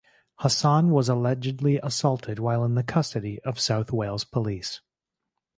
Hassan was allegedly assaulted while in the custody of South Wales Police.